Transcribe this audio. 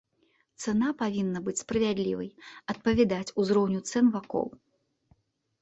Цана павінна быць справядлівай, адпавядаць узроўню цэн вакол.